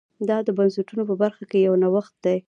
دا د بنسټونو په برخه کې یو نوښت دی